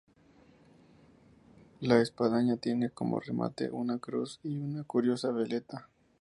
La espadaña tiene como remate una cruz y una curiosa veleta.